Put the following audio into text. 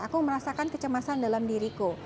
aku merasakan kecemasan dalam diriku